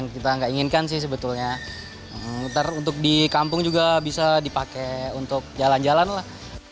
kita enggak inginkan sih sebetulnya taruh untuk di kampung juga bisa dipakai untuk jalan jalanlah